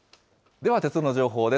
では鉄道の情報です。